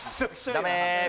ダメ！